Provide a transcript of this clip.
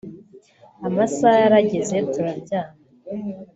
Amasaha yarageze turaryama